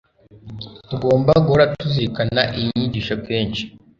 Tugomba guhora tuzirikana iyi nyigisho kenshi